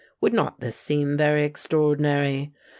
Would not this seem very extraordinary?